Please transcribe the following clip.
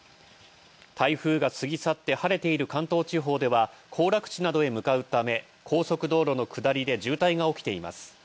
台風が過ぎ去って晴れとなった関東地方では行楽地などへ向かうため高速道路の下りで渋滞が起きています。